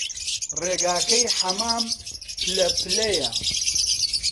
ڕێگاکەی حەمام پللە پللەیە